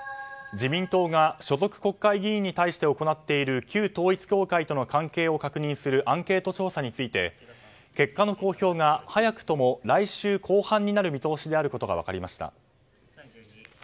自民党が所属国会議員に対して行っている旧統一教会との関係を確認するアンケート調査について結果の公表が早くとも来週後半になる見通しであることが分かりました。